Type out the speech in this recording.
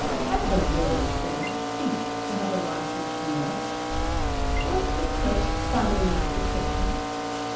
Had the world, then, ceased to have a righteous Ruler? Was the Church finally forsaken?